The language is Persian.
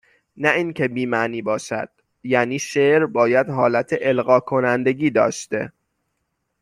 نه اینکه بی معنی باشد یعنی شعر باید حالت القا کنندگی داشته